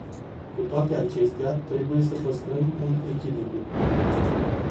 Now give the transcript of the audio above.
Cu toate acestea, trebuie sa păstrăm un echilibru.